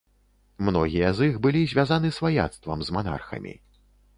Многія з іх былі звязаны сваяцтвам з манархамі.